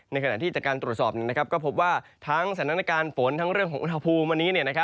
ในขณะที่จากการตรวจสอบก็พบว่าทั้งสถานการณ์ฝนทั้งเรื่องของอุณหภูมิวันนี้